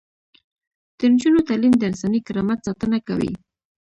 د نجونو تعلیم د انساني کرامت ساتنه کوي.